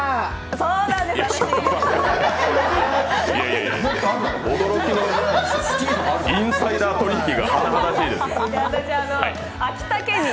そうなんですいや